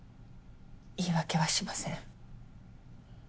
言い訳はしません。